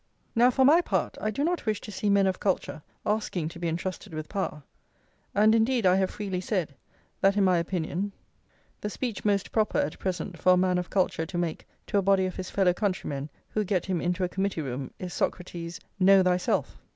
Now for my part I do not wish to see men of culture asking to be entrusted with power; and, indeed, I have freely said, that in my opinion the speech most proper, at present, for a man of culture to make to a body of his fellow countrymen who get him into a committee room, is Socrates's: Know thyself!